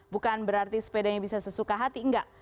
bukan berarti sepedanya bisa sesuka hati enggak